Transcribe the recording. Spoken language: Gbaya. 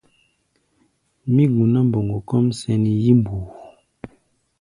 Mí guná mboŋgo kɔ́ʼm sɛn yí-mbuu.